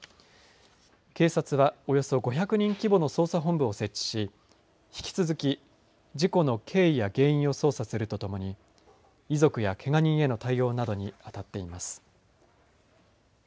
警察は、およそ５００人規模の捜査本部を設置し引き続き事故の経緯や原因を捜査するとともに遺族やけが人への対応などにあたっています。